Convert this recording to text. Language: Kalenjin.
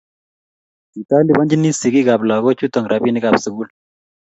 Kitalipanchini sigik ab lagok chutok rabinik ab sukul